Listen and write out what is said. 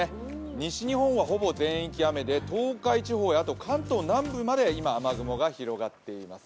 西日本はほぼ全域雨雲で東海地方や関東南部まで今、雨雲が広がっています。